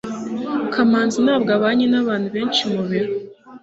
kamanzi ntabwo abanye nabantu benshi mubiro